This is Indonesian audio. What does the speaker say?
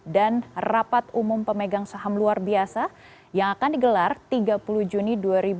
dan rapat umum pemegang saham luar biasa yang akan digelar tiga puluh juni dua ribu dua puluh tiga